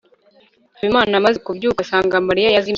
habimana amaze kubyuka, asanga mariya yazimiye